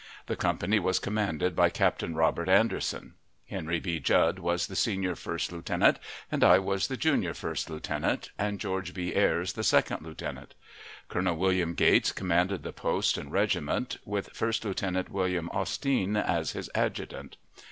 The company was commanded by Captain Robert Anderson; Henry B. Judd was the senior first lieutenant, and I was the junior first lieutenant, and George B. Ayres the second lieutenant. Colonel William Gates commanded the post and regiment, with First Lieutenant William Austine as his adjutant.